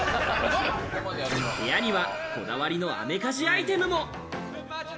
部屋にはこだわりのアメカジアイテムも。